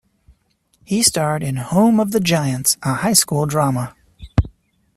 He starred in "Home of the Giants", a high school drama.